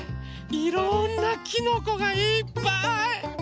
いろんなきのこがいっぱい！